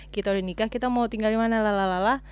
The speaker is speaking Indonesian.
kita udah nikah kita mau tinggal dimana lalala